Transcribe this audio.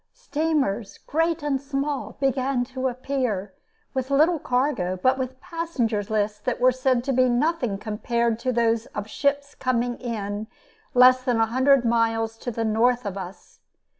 Steamers great and small began to appear, with little cargo but with passenger lists that were said to be nothing compared to those of ships coming in less than a hundred miles to the north of us.